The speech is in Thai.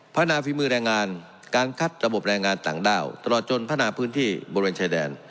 นาฝีมือแรงงานการคัดระบบแรงงานต่างด้าวตลอดจนพัฒนาพื้นที่บริเวณชายแดน